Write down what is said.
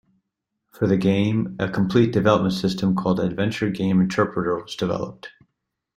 For the game, a complete development system called Adventure Game Interpreter was developed.